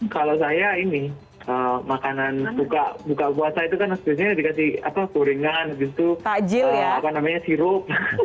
kalau saya ini makanan buka buka puasa itu kan biasanya dikasih apa gorengan bentuk takjil ya apa namanya sirup